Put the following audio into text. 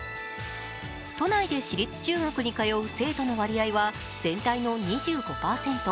都内で私立中学に通う生徒の割合は全体の２５％。